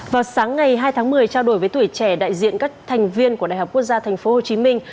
vào sáng ngày hai tháng một mươi trao đổi với tuổi trẻ đại diện các thành viên của đại học quốc gia thành phố hồ chí minh